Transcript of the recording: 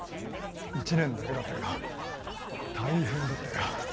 １年だけだったけど大変だったよ